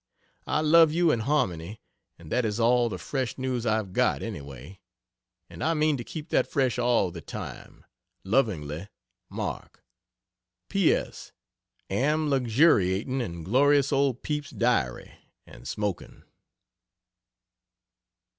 I love you and Harmony, and that is all the fresh news I've got, anyway. And I mean to keep that fresh all the time. Lovingly MARK. P. S. Am luxuriating in glorious old Pepy's Diary, and smoking.